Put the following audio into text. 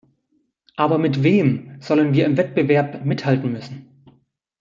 Aber mit wem sollen wir im Wettbewerb mithalten müssen?